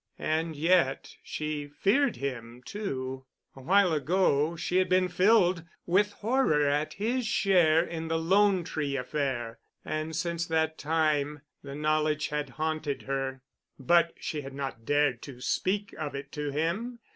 And yet she feared him, too. A while ago she had been filled with horror at his share in the "Lone Tree" affair, and since that time the knowledge had haunted her. But she had not dared to speak of it to him.